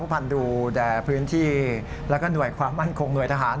ผู้พันธุ์ดูแด่พื้นที่และหน่วยความมั่นของหน่วยทหาร